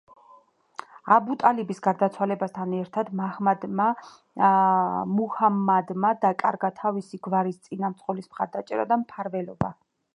აბუ ტალიბის გარდაცვალებასთან ერთად მუჰამმადმა დაკარგა თავისი გვარის წინამძღოლის მხარდაჭერა და მფარველობა.